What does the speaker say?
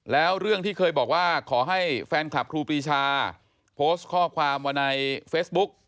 แล้วเรื่องที่เคยบอกว่าขอให้แฟนคลับครูปีชาโพสต์ข้อความมาในเฟซบุ๊ก